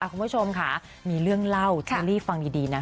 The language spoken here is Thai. คุณผู้ชมค่ะมีเรื่องเล่าเชอรี่ฟังดีนะ